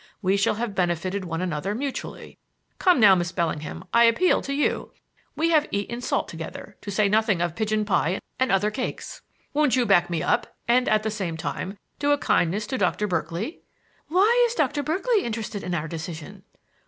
We shall have benefited one another mutually. Come now, Miss Bellingham, I appeal to you. We have eaten salt together, to say nothing of pigeon pie and other cakes. Won't you back me up, and at the same time do a kindness to Doctor Berkeley?" "Why, is Doctor Berkeley interested in our decision?"